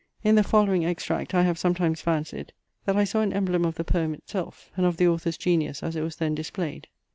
In the following extract I have sometimes fancied, that I saw an emblem of the poem itself, and of the author's genius as it was then displayed.